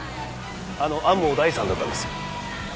あの天羽大さんだったんですよ。